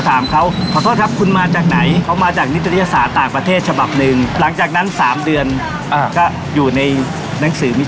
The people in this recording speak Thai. เท่านั้นไม่พอปี๒๐๑๙จะได้อีก